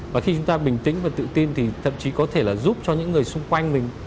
và khi chúng ta bình tĩnh và tự tin thì thậm chí có thể là giúp cho những người xung quanh mình